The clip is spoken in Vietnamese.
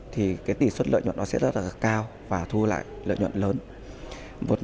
thì cái tỷ suất lợi nhuận nó sẽ rất là cao và thu lại lợi nhuận của chúng tôi